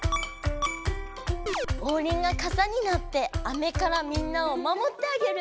オウリンがかさになって雨からみんなをまもってあげる。